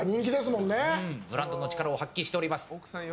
ブランドの力を発揮しております。